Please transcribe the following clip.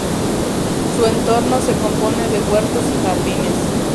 Su entorno se compone de huertos y jardines.